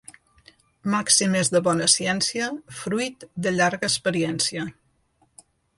Màximes de bona ciència, fruit de llarga experiència.